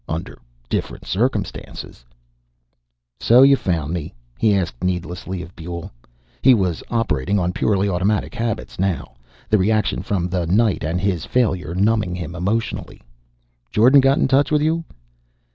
Under different circumstances ... "So you found me?" he asked needlessly of Buehl. He was operating on purely automatic habits now, the reaction from the night and his failure numbing him emotionally. "Jordan got in touch with you?"